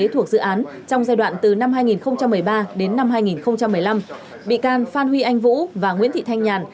thuộc dự án trong giai đoạn từ năm hai nghìn một mươi ba đến năm hai nghìn một mươi năm bị can phan huy anh vũ và nguyễn thị thanh nhàn